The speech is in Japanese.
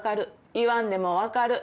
言わんでも分かる。